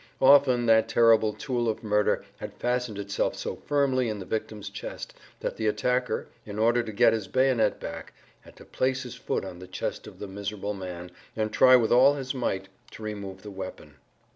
Often that terrible tool of murder had fastened itself so firmly in the victim's chest that the attacker, in order to get his bayonet back, had to place his foot on the chest of the miserable man and try with all his might to remove the weapon.